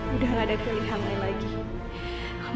bersama semuanya apa yang orang cik ibu